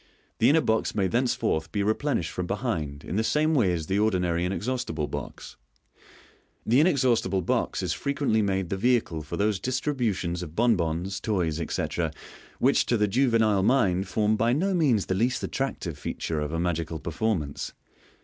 The inner box may thenceforth be replenished from behind in the same way as the ordinary Inexhaustible Box. The Inexhaustible Box is frequently made the vehicle for those distributions of bonbons, toys, etc., which to the juvenile mind form Fig. 228. MODERN MAGIC. 395 by no means the least attractive feature of a magical performance.